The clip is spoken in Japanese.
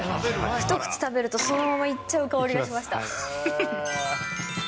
一口食べると、そのままいっちゃう香りがしました。